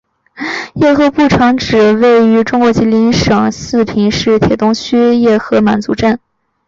叶赫部城址位于中国吉林省四平市铁东区叶赫满族镇。